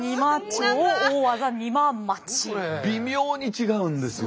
微妙に違うんですよ